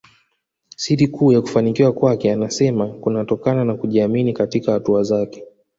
Siri kuu ya kufanikiwa kwake anasema kunatokana na kujiamini katika hatua zake